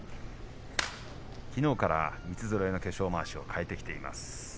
きのうから三つぞろいの化粧まわしをかえてきています。